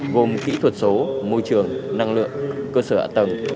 gồm kỹ thuật số môi trường năng lượng cơ sở ạ tầng